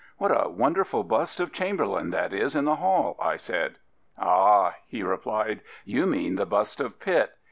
" What a wonder ful bust of Chamberlain that is in the hall/' I said. Ah/' he replied; " you mean the bust of Pitt.